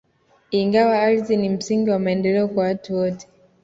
Ingawa ardhi ni msingi wa maendeleo kwa watu wote